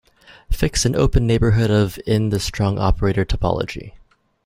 Fix an open neighborhood of in the strong operator topology.